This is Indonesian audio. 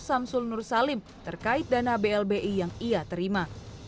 samsul nursalim terkait dana blbi yang ia terima